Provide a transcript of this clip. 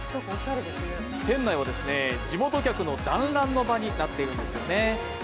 店内は、地元客の団らんの場になっているんですよね。